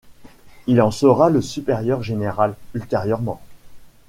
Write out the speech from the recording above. Il en sera le supérieur général, ultérieurement.